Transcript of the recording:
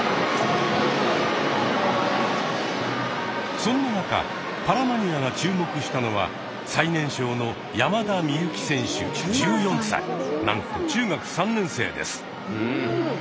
そんな中「パラマニア」が注目したのは最年少のなんと中学３年生です。